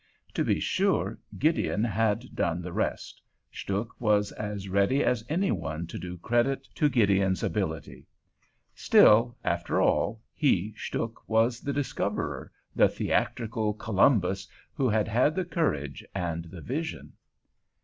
To be sure, Gideon had done the rest; Stuhk was as ready as any one to do credit to Gideon's ability. Still, after all, he, Stuhk, was the discoverer, the theatrical Columbus who had had the courage and the vision.